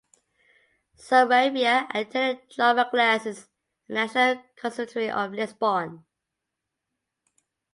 Saraiva attended drama classes at the National Conservatory of Lisbon.